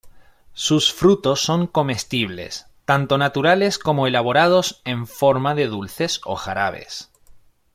Sus frutos son comestibles, tanto naturales como elaborados en forma de dulces o jarabes.